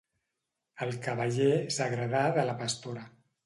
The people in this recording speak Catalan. El cavaller s'agradà de la pastora.